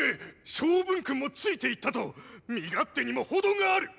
昌文君もついて行ったと身勝手にも程がある！